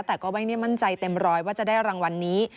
แต่ก็ไม่ได้มั่นใจเต็มร้อยว่าจะได้รางวัลนี้